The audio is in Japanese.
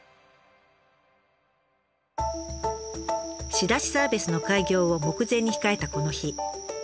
仕出しサービスの開業を目前に控えたこの日。